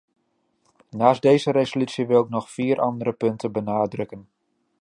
Naast deze resolutie wil ik nog vier andere punten benadrukken.